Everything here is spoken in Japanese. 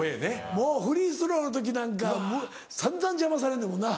もうフリースローの時なんか散々邪魔されんねんもんな。